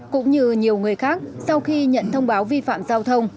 cũng như nhiều người khác sau khi nhận thông báo vi phạm giao thông